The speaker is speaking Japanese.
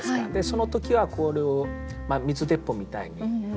その時はこういう水鉄砲みたいに。